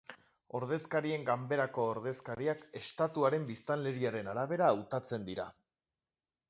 Ordezkarien Ganberako ordezkariak, estatuaren biztanleriaren arabera hautatzen dira.